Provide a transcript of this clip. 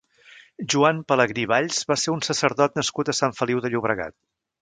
Joan Pelegrí i Valls va ser un sacerdot nascut a Sant Feliu de Llobregat.